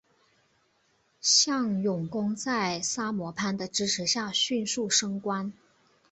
向永功在萨摩藩的支持下迅速升官。